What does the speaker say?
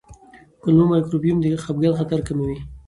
کولمو مایکروبیوم د خپګان خطر کموي.